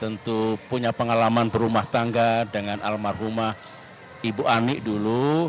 tentu punya pengalaman berumah tangga dengan almarhumah ibu ani dulu